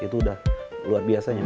itu udah berjalan